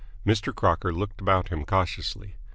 Mr. Crocker looked about him cautiously.